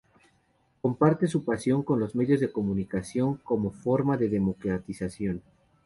Comparte su pasión en los medios de comunicación, como forma de democratización.